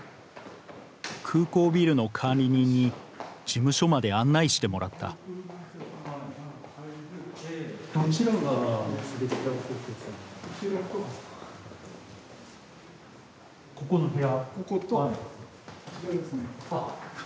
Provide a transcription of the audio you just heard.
空港ビルの管理人に事務所まで案内してもらったここの部屋？